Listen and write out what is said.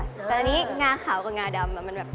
แต่อันนี้งาขาวกับงาดำมันแบบ